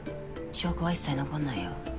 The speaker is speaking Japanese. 証拠は一切残んないよ。